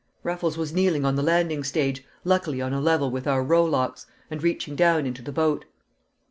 Raffles was kneeling on the landing stage luckily on a level with our rowlocks and reaching down into the boat.